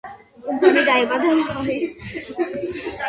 კაუფმანი დაიბადა ოჰაიოს შტატის ქალაქ კოლუმბუსში.